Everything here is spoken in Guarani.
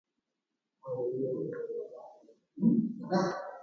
Avei ojepuru pohãramo.